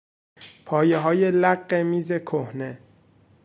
پایههای لق میز کهنه